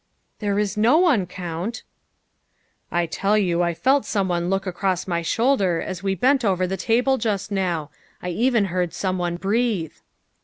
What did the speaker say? '' There is no one, Count. ''" I tell you I felt someone look across my shoulder as we bent over the table just now. I even heard some one breathe.